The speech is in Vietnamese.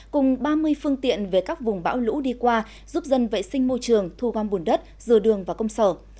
cùng ba mươi phương tiện về các vùng bão lũ đi qua giúp dân vệ sinh môi trường thu gom bùn đất dừa đường và công sở